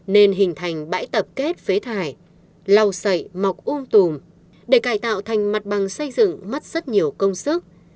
nên hình thành bãi tập kết phế thải lầu sậy mọc uông tùm để cài tạo thành mặt bằng xây dựng mất rất nhiều công sức